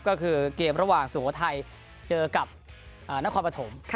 ก็คือเกมระหว่างสุโขทัยเจอกับนครปฐม